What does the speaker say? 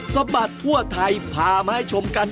สะบัดทั่วไทยพามาให้ชมกัน